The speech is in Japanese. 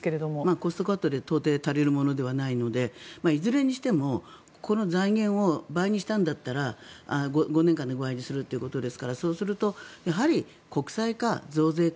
コストカットで到底足りるものではないのでいずれにしてもこの財源を倍にしたんだったら５年間で倍にするということですからそうすると、やはり国債か増税か